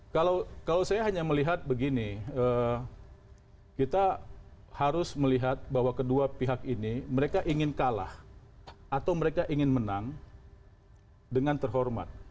kalau saya hanya melihat begini kita harus melihat bahwa kedua pihak ini mereka ingin kalah atau mereka ingin menang dengan terhormat